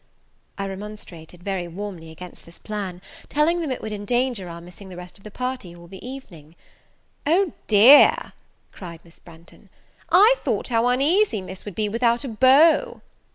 I remonstrated very warmly against this plan, telling them it would endanger our missing the rest of the party all the evening. "O dear," cried Miss Branghton, "I thought how uneasy Miss would be without a beau!"